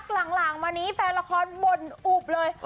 หลังมานี้แฟนละครบ่นอุบเลย